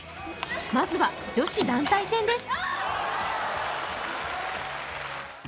まずは女子団体戦です。